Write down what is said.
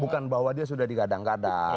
bukan bahwa dia sudah di gadang gadang